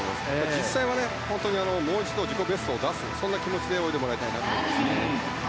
実際は、もう一度自己ベストを出すという気持ちで泳いでもらいたいなと思います。